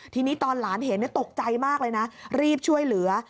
ทีนี้ตอนหลานเห็นตกใจมากเลยนะรีบช่วยเหลือ